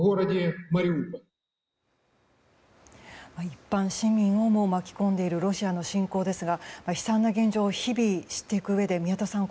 一般市民をも巻き込んでいるロシアの侵攻ですが悲惨な現状を日々知っていくうえで、宮田さん